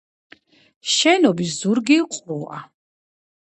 შენობის ზურგი ყრუა.